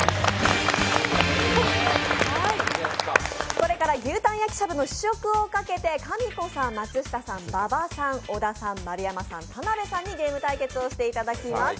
これから牛タン焼きしゃぶの試食をかけて、かみこさん松下さん、馬場さん、小田さん、丸山さん、田辺さんにゲーム対決をしていただきます。